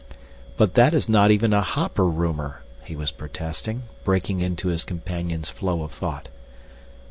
"But that is not even a hopper rumor," he was protesting, breaking into his companion's flow of thought.